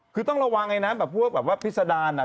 คือต้องระวังไงนะพี่สดารนะ